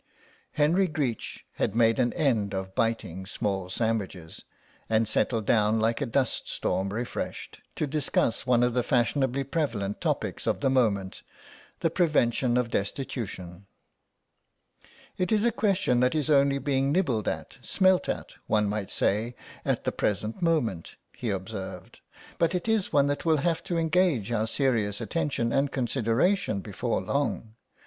Henry Greech had made an end of biting small sandwiches, and settled down like a dust storm refreshed, to discuss one of the fashionably prevalent topics of the moment, the prevention of destitution. "It is a question that is only being nibbled at, smelt at, one might say, at the present moment," he observed, "but it is one that will have to engage our serious attention and consideration before long.